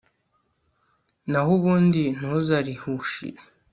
naho ubundi ntuzarihishure